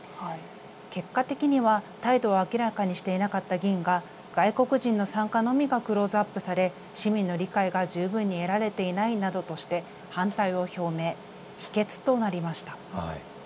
結果的には態度を明らかにしていなかった議員が外国人の参加のみがクローズアップされ市民の理解が十分に得られていないなどとして反対を表明、否決となりました。